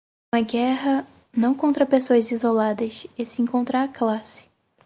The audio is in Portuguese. uma guerra, não contra pessoas isoladas, e sim contra a classe